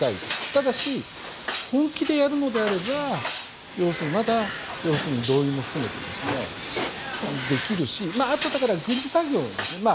ただし、本気でやるのであればまだ動員も含めてできるしあとはだから軍需産業ですね。